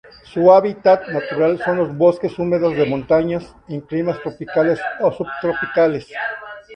Su hábitat natural son los bosques húmedos de montaña, en climas tropicales o subtropicales.